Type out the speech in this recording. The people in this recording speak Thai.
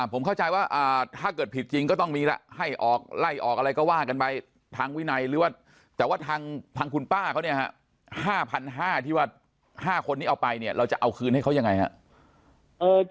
ผมเข้าใจว่าถ้าเกิดผิดจริงก็ต้องมีละให้ออกไล่ออกอะไรก็ว่ากันไปทางวินัยหรือว่าแต่ว่าทางคุณป้าเขาเนี่ย๕๕๐๐ที่ว่า๕คนนี้เอาไปเนี่ยเราจะเอาคืนให้เขายังไงครับ